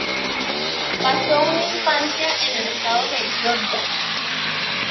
Pasó su infancia en el estado de Georgia.